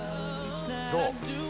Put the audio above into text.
どう？